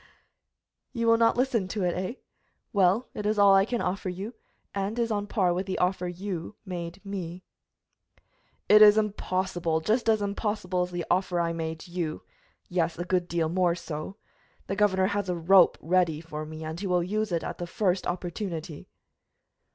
"You will not listen to it, eh! Well, it is all I can offer you, and is on a par with the offer you made me." "It is impossible, just as impossible as the offer I made you yes, a good deal more so. The governor has a rope ready for me, and he will use it at the first opportunity."